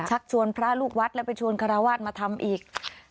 ชักชวนพระลูกวัดแล้วไปชวนคาราวาสมาทำอีก